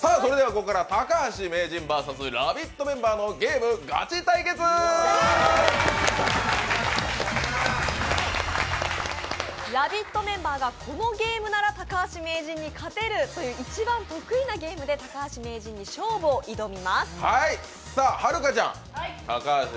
ここから、高橋名人ＶＳラヴィットメンバーのゲームガチ対決「ラヴィット！」メンバーがこのゲームなら高橋名人に勝てるという一番得意なゲームで高橋名人に勝負を挑みます。